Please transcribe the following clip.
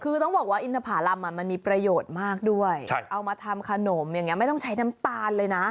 เอามาทำขนมอย่างงี้ไม่ต้องใช้น้ำตาลเลยนะ